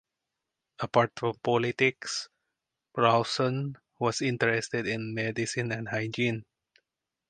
Apart from politics, Rawson was interested in medicine and hygiene.